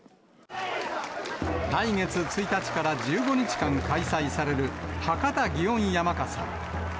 来月１日から１５日間開催される、博多祇園山笠。